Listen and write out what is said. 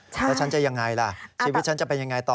แล้วฉันจะยังไงล่ะชีวิตฉันจะเป็นยังไงต่อ